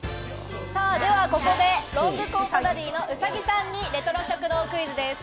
ではここでロングコートダディの兎さんにレトロ食堂クイズです。